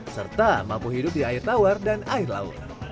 serta mampu hidup di air tawar dan air laut